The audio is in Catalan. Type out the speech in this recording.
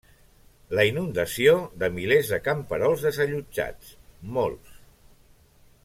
La inundació de milers de camperols desallotjats, molts.